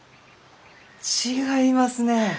違いますね！